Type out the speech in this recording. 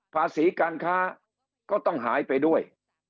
ภาษีการค้าก็ต้องหายไปด้วย